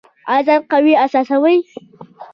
ایا ځان قوي احساسوئ؟